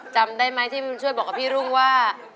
จำได้ไหมที่บุญช่วยบอกกับพี่รุ่งว่า